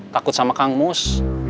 takut sama kang mus